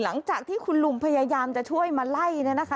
หลังจากที่คุณลุงพยายามจะช่วยมาไล่เนี่ยนะคะ